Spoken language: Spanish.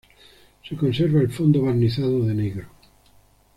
Se conserva el fondo barnizado de negro.